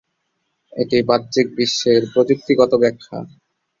এটি "বাহ্যিক বিশ্বের" প্রযুক্তিগত ব্যাখ্যা।